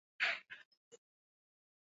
matamu yote duniani yasiyo barafu Ziwa kubwa